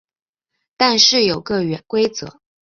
但是有个规则